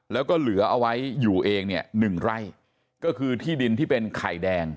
แล้วก็เหลือเอาไว้อยู่เองเนี่ยหนึ่งไร่ก็คือที่ดินที่เป็นไข่แดง